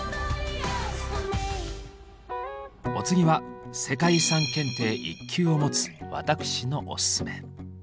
お次は世界遺産検定１級を持つ私のオススメ。